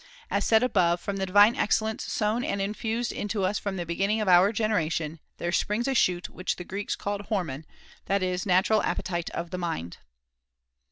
As said above, from the divine excellence sown and infused into us from the beginning of our generation there springs a shoot which the Greeks call hormen, that is, natural appetite of the mind.